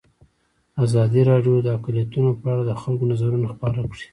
ازادي راډیو د اقلیتونه په اړه د خلکو نظرونه خپاره کړي.